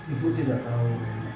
ibu tidak tau